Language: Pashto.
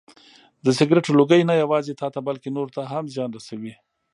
د سګرټو لوګی نه یوازې تاته بلکې نورو ته هم زیان رسوي.